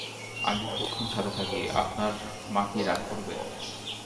আমি যদি কিছুক্ষণ ছাদে থাকি আপনার মাকি রাগ করবেন?